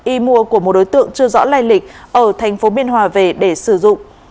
y mua của một đối tượng chưa rõ lai lịch ở thành phố biên hòa về để sử dụng